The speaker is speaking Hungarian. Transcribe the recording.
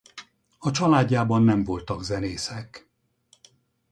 A családjában nem voltak zenészek.